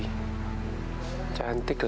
ingel mahgama dari tak jahat